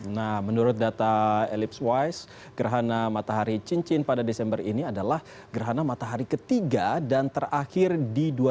nah menurut data elips wise gerhana matahari cincin pada desember ini adalah gerhana matahari ketiga dan terakhir di dua ribu dua puluh